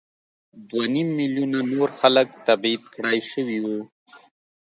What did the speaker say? دوه نیم میلیونه نور خلک تبعید کړای شوي وو.